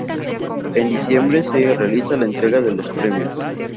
En diciembre, se realiza la entrega de los premios.